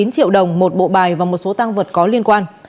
chín triệu đồng một bộ bài và một số tăng vật có liên quan